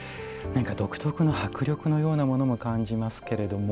独特な迫力のようなものも感じますけれども